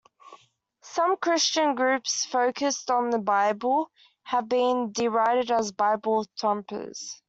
Some Christian groups focused on the Bible have been derided as "Bible thumpers".